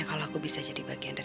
kalau aku bisa jadi bagian dari